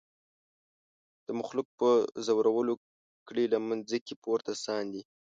د مخلوق په زورولو کړي له مځکي پورته ساندي